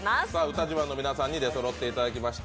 歌自慢の皆さんに出そろっていただきました。